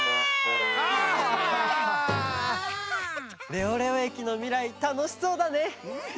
レオレオ駅のみらいたのしそうだね！